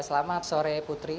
selamat sore putri